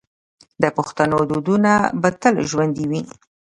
د پښتنو دودونه به تل ژوندي وي.